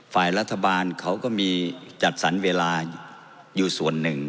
ฝ่ายรัฐบาลเขาก็มีจัดสรรเวลาอยู่ส่วนหนึ่ง